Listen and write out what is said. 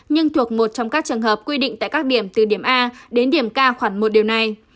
nhưng thuộc một trong các trường hợp quy định tại các điểm từ điểm a đến điểm k khoảng một điều này